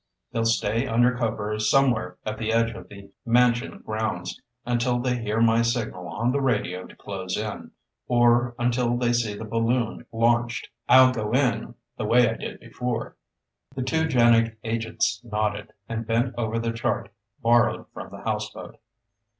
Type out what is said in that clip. They'll stay under cover somewhere at the edge of the mansion grounds until they hear my signal on the radio to close in or until they see the balloon launched. I'll go in the way I did before." The two JANIG agents nodded, and bent over the chart borrowed from the houseboat.